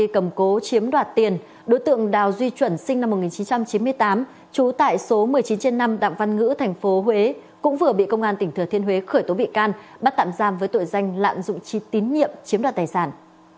các đối tượng cũng vừa bị công an tỉnh thừa thiên huế khởi tố bị can bắt tạm giam với tội danh lạng dụng chi tín nhiệm chiếm đoàn tài sản